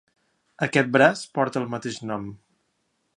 Aquest braç porta el mateix nom.